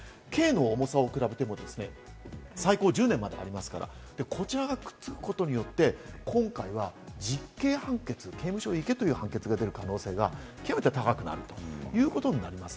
刑の重さを比べても最高１０年までありますから、こちらがくっつくことによって、今回は実刑判決、刑務所へ行けという判決が出る可能性が極めて高くなるということになります。